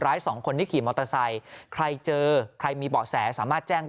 สองคนที่ขี่มอเตอร์ไซค์ใครเจอใครมีเบาะแสสามารถแจ้ง